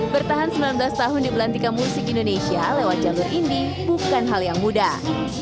bertahan sembilan belas tahun di belantika musik indonesia lewat jalur ini bukan hal yang mudah